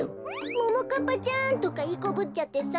ももかっぱちゃんとかいいこぶっちゃってさ。